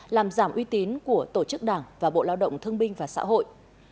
làm giảm uy tín của tổ chức đảng và bộ lao động thương binh và xã hội